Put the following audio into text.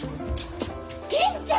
銀ちゃん！